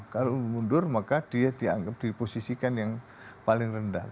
kalau mundur maka dia dianggap diposisikan yang paling rendah